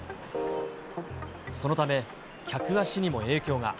そのため、客足にも影響が。